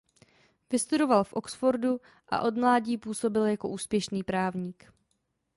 Vystudoval v Oxfordu a od mládí působil jako úspěšný právník.